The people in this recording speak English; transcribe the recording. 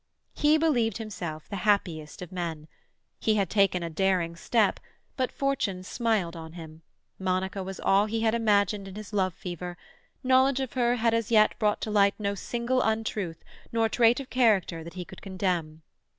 He believed himself the happiest of men. He had taken a daring step, but fortune smiled upon him, Monica was all he had imagined in his love fever; knowledge of her had as yet brought to light no single untruth, no trait of character that he could condemn.